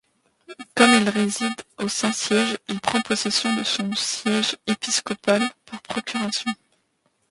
Comme il réside au Saint-Siège, il prend possession de son siège épiscopal par procuration.